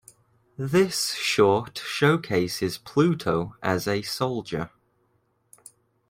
This short showcases Pluto as a soldier.